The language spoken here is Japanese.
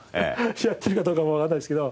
やってるかどうかもわかんないですけど。